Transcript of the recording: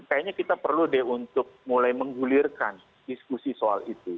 saya berpikir kita perlu mulai menggulirkan diskusi soal itu